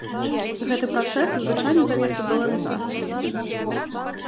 Гэты працэс звычайна завецца даларызацыяй.